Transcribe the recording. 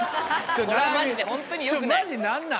今日マジ何なん？